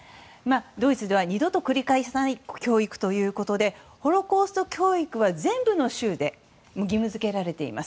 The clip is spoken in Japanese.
ドイツでは二度と繰り返さない教育ということでホロコースト教育は全部の州で義務付けられています。